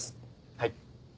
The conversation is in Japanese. はい。